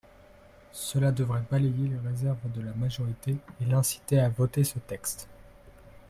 Cela devrait balayer les réserves de la majorité et l’inciter à voter ce texte.